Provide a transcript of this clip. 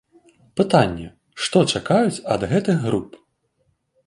Пытанне, што чакаюць ад гэтых груп?